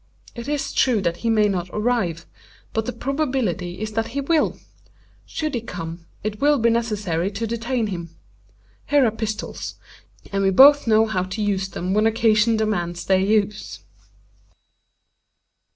It is true that he may not arrive; but the probability is that he will. Should he come, it will be necessary to detain him. Here are pistols; and we both know how to use them when occasion demands their use."